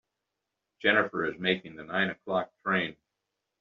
Jennifer is making the nine o'clock train.